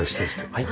はい。